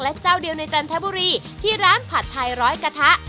และเจ้าเดียวในจันทบุรีที่ร้านผัดไทยร้อยกระทะ